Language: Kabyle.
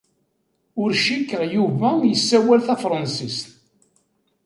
Ur cikkeɣ Yuba yessawal tafṛensist.